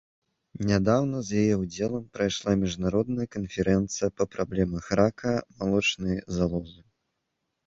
Нядаўна з яе ўдзелам прайшла міжнародная канферэнцыя па праблемах рака малочнай залозы.